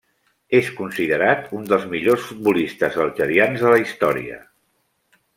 És considerat un dels millors futbolistes algerians de la història.